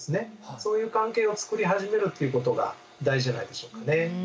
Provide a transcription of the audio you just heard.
そういう関係をつくり始めるっていうことが大事じゃないでしょうかね。